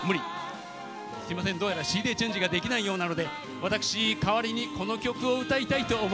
すいませんどうやらＣＤチェンジができないようなので私代わりにこの曲を歌いたいと思います。